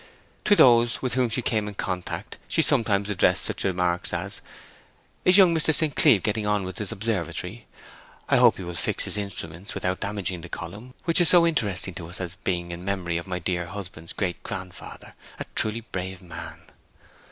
To those with whom she came in contact she sometimes addressed such remarks as, 'Is young Mr. St. Cleeve getting on with his observatory? I hope he will fix his instruments without damaging the column, which is so interesting to us as being in memory of my dear husband's great grandfather a truly brave man.'